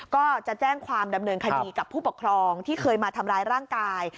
ก็จะแจ้งความดำเนินคดีกับผู้ปกครองที่เคยมาทำร้ายร่างกาย